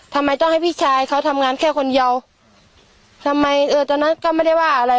ทำไมต้องให้พี่ชายเขาทำงานแค่คนเดียวทำไมเออตอนนั้นก็ไม่ได้ว่าอะไร